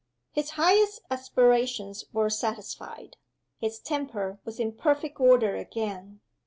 His highest aspirations were satisfied; his temper was in perfect order again.